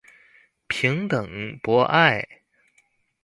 平等、博愛